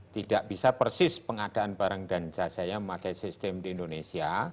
tidak bisa persis pengadaan barang dan jasanya memakai sistem di indonesia